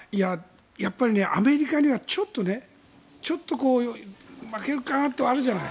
やっぱり、アメリカにはちょっと負けるかなとあるじゃない。